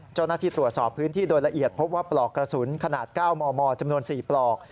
เจ้าหน้าที่ตรวจสอบพื้นที่โดยละเอียดพบว่าปลอกกระสุนขนาด๙มมจำนวน๔ปลอก